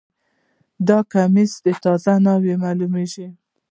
دا کمیس د تازه ناوې معلومیږي